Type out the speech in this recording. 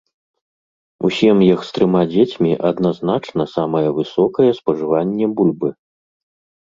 У сем'ях з трыма дзецьмі адзначана самае высокае спажыванне бульбы.